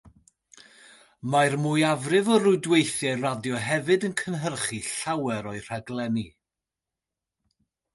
Mae'r mwyafrif o rwydweithiau radio hefyd yn cynhyrchu llawer o'u rhaglenni.